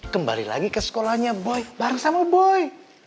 kembali lagi ke sekolahnya boy bareng sama boy